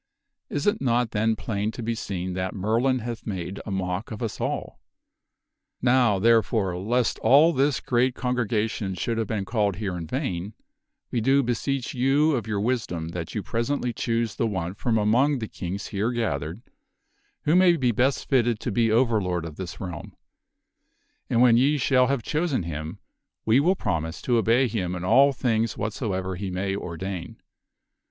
Is it not then plain to be seen that Merlin hath made a mock of us all ? Now, therefore, lest all this great congre gation should have been called here in vain, we do beseech you of your wisdom that you presently choose the one from among the kings here gathered, who may be best fitted to be overlord of this realm. And when ye shall have chosen him, we will promise to obey him in all things whatsoever he may ordain.